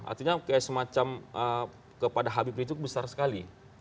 artinya kayak semacam kepada habib rizik besar sekali